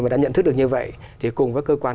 và đã nhận thức được như vậy thì cùng với cơ quan